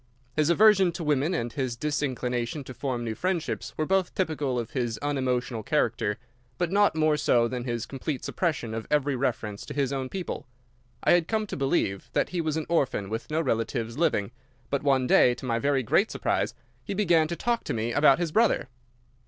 His aversion to women and his disinclination to form new friendships were both typical of his unemotional character, but not more so than his complete suppression of every reference to his own people. I had come to believe that he was an orphan with no relatives living, but one day, to my very great surprise, he began to talk to me about his brother.